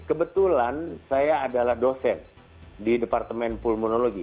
kebetulan saya adalah dosen di departemen pulmonologi